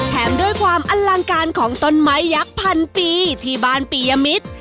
แถมด้วยความอลังการของต้นไม้ยักษ์พันปีที่บ้านปียมิตร